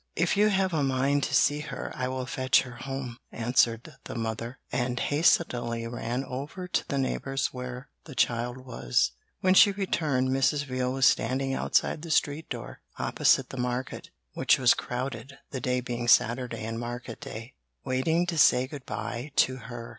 'If you have a mind to see her, I will fetch her home,' answered the mother, and hastily ran over to the neighbour's where the child was. When she returned, Mrs. Veal was standing outside the street door, opposite the market (which was crowded, the day being Saturday and market day), waiting to say good bye to her.